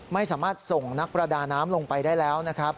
ไม่สามารถส่งนักประดาน้ำลงไปได้แล้วนะครับ